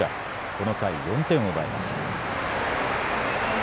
この回、４点を奪います。